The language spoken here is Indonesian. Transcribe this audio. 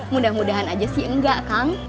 mudah mudahan aja sih enggak kang